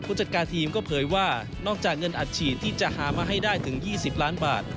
จัดการทีมก็เผยว่านอกจากเงินอัดฉีดที่จะหามาให้ได้ถึง๒๐ล้านบาท